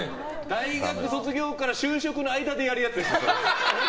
大学卒業から就職の間でやるやつですよ、それ。